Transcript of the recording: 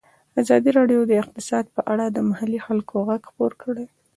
ازادي راډیو د اقتصاد په اړه د محلي خلکو غږ خپور کړی.